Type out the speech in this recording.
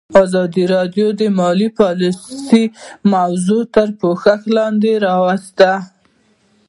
ازادي راډیو د مالي پالیسي موضوع تر پوښښ لاندې راوستې.